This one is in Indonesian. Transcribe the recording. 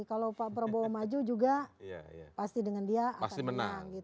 kalau pak prabowo maju juga pasti dengan dia akan menang